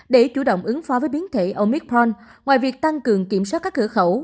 để chủ động ứng phó với biến thể oicron ngoài việc tăng cường kiểm soát các cửa khẩu